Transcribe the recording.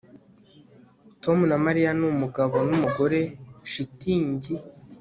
Tom na Mariya ni umugabo numugore shitingi